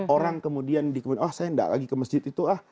orang kemudian dikembali oh saya nggak lagi ke masjid itu lah